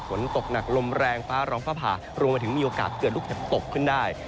ฝนตกหนักลมแรงฟ้าร้องฟ้าผ่ารวมมาถึงมีโอกาสเกิดลูกเห็บตกขึ้นได้